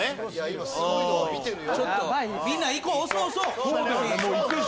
今すごいのを見てるよ。